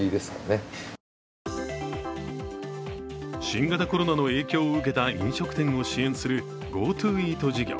新型コロナの影響を受けた飲食店を支援するＧｏＴｏイート事業。